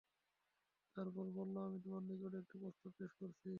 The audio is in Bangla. তারপর বলল, আমি তোমার নিকট একটি প্রস্তাব পেশ করছি।